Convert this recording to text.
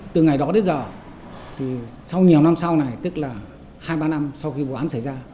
từ ngày đó đến giờ thì sau nhiều năm sau này tức là hai ba năm sau khi vụ án xảy ra